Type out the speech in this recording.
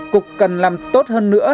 cục cần làm tốt hơn nữa